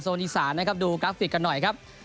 ส่วนดีทราดูกราฟิกกันหน่อยครับ